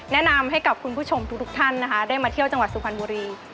แนะนำให้กับคุณผู้ชมทุกท่านนะคะได้มาเที่ยวจังหวัดสุพรรณบุรี